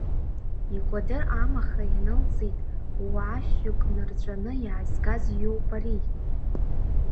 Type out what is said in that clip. Икәадыр амаха ианылҵит уаа-шәҩык нырҵәаны иаазгаз иоуп ари!